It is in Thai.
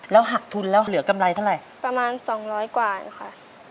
แล้วหักทุนแล้วเหลือกำไรเท่าไหร่ประมาณสองร้อยกว่าค่ะ